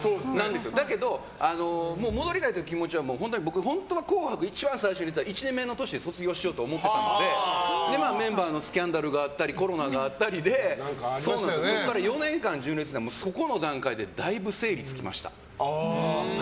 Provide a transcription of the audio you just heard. だけど、戻りたいという気持ちは僕、本当は「紅白」出た１年目の年で卒業しようと思っていたのでメンバーのスキャンダルがあったりコロナがあったりでそこから４年間、純烈にいてそこの間にだいぶ整理がつきました。